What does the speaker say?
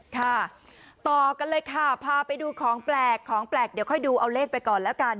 ค่ะต่อกันเลยค่ะพาไปดูของแปลกของแปลกเดี๋ยวค่อยดูเอาเลขไปก่อนแล้วกัน